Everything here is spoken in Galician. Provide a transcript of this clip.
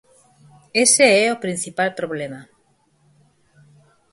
Ese é o principal problema.